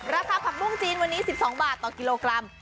ราคาผักบุ้งจีนวันนี้๑๒บาทต่อกิโลกรัม